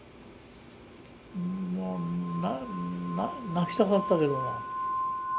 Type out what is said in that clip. もう泣きたかったけども。